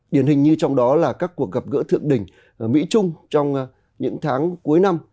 điển hình như trong đó là các cuộc gặp gỡ thượng đỉnh mỹ trung trong những tháng cuối năm